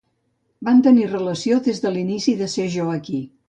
Van tenir relació des de l'inici de ser jo aquí.